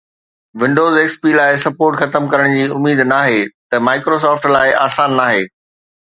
windows XP لاءِ support ختم ڪرڻ جي اميد ناهي ته Microsoft لاءِ آسان ناهي